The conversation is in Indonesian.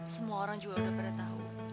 semua orang juga udah pada tahu